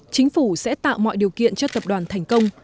chính phủ sẽ tạo mọi điều kiện cho tập đoàn thành công